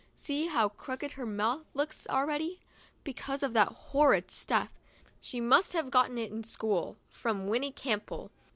See how crooked her mouth looks already, because of that horrid stuff. She must have gotten it in school, from Winnie Campbell.